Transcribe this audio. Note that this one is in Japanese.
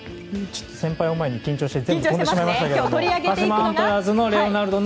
ちょっと先輩を前に緊張して飛んでしまいましたけど。